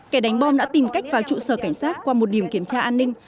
kẻ đánh bom đã tìm cách vào trụ sở cảnh sát qua một điểm kiểm tra an ninh